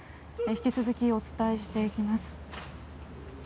引き続きお伝えしていきます。